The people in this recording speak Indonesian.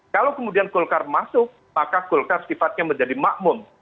kalau kemudian golkar masuk maka golkar sifatnya menjadi makmum